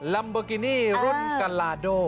ลัมโบกินี่รุ่นกัลาโด